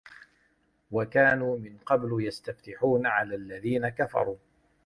وَكَانُوا مِنْ قَبْلُ يَسْتَفْتِحُونَ عَلَى الَّذِينَ كَفَرُوا